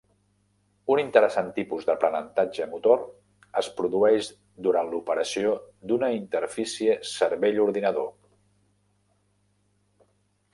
Un interessant tipus d'aprenentatge motor es produeix durant l'operació d'una interfície cervell-ordinador.